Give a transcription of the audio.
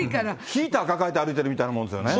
ヒーター抱えて歩いてるみたいなもんですよね。